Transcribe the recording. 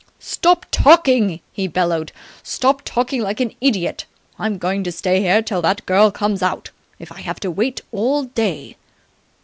"Stop talking!" he bellowed. "Stop talking like an idiot! I'm going to stay here till that girl comes out, if have to wait all day!"